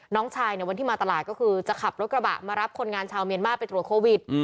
น้องชายเนี่ยวันที่มาตลาดก็คือจะขับรถกระบะมารับคนงานชาวเมียนมาร์ไปตรวจโควิด